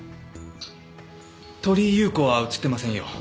鳥居優子は映ってませんよ。